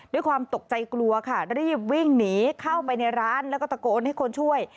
ด้วยความตกใจกลัวค่ะรีบวิ่งหนีเข้าไปในร้านแล้วก็ตะโกนให้คนช่วย